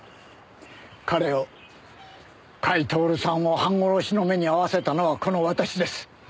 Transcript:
彼を甲斐享さんを半殺しの目に遭わせたのはこの私です。